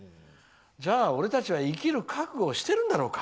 じゃあ、俺たちは生きる覚悟をしてるんだろうか？